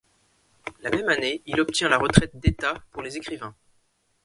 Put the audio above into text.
La même année, il obtient la retraite d'Etat pour les écrivains.